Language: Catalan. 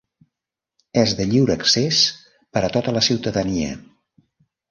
És de lliure accés per a tota la ciutadania.